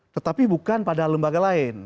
tetapi bukan pada lembaga lain